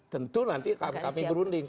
tentu nanti kami berunding